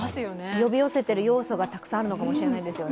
呼び寄せてる要素がたくさんあるのかもしれないですよね。